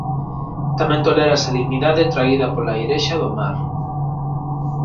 Tamén tolera salinidade traída pola airexa do mar.